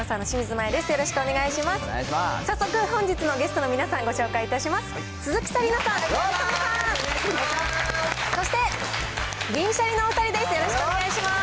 早速、本日のゲストの皆さん、ご紹介いたします。